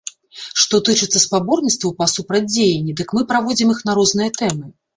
Што тычыцца спаборніцтваў па супрацьдзеянні, дык мы праводзім іх на розныя тэмы.